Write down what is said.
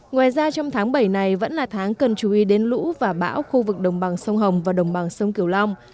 ngoài ra trong tháng bảy này vẫn là tháng cần chú ý đến lũ và bão khu vực đồng bằng sông hồng và đồng bằng sông kiều long